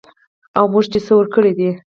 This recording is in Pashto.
او موږ چې څه ورکړي دي